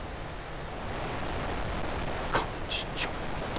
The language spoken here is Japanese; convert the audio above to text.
幹事長だ。